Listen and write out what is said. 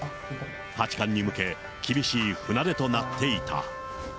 八冠に向け、厳しい船出となっていた。